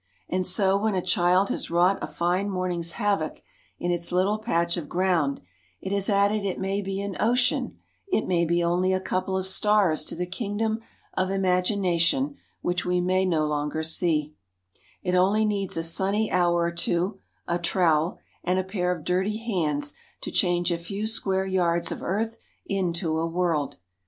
And so when a child has wrought a fine morning's havoc in its little patch of ground it has added it may be an ocean, it may be only a couple of stars to the king dom of imagination which we may no longer see/ It only needs a sunny hour or two, a trowel, and a pair of dirty hands to change a few square yards of earth into a world.